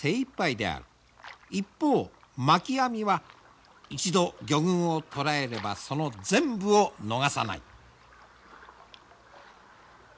一方まき網は一度魚群を捉えればその全部を逃さない。